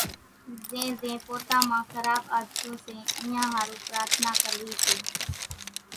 زين زين پوتا مان کراٻ عادتون سي اينيان ۿارُو پرارٿنا ڪروي سي،